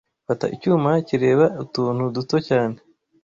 Fata icyuma kireba utuntu duto cyane